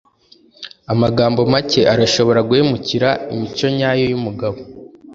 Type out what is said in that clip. Amagambo make arashobora guhemukira imico nyayo yumugabo.